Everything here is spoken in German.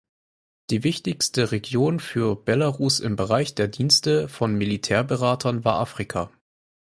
Die wichtigste Region für Belarus im Bereich der Dienste von Militärberatern war Afrika.